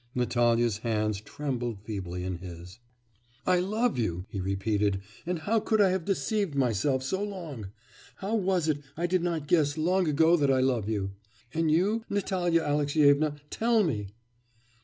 Natalya's hands trembled feebly in his. 'I love you!' he repeated, 'and how could I have deceived myself so long? How was it I did not guess long ago that I love you? And you? Natalya Alexyevna, tell me!